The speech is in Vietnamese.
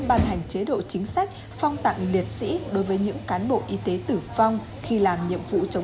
ban hành chế độ chính sách phong tặng liệt sĩ đối với những cán bộ y tế tử vong khi làm nhiệm vụ chống